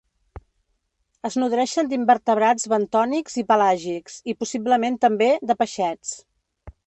Es nodreixen d'invertebrats bentònics i pelàgics i, possiblement també, de peixets.